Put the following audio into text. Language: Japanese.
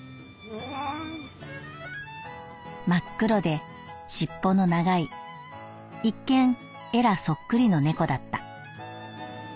「真っ黒で尻尾の長い一見エラそっくりの猫だった」。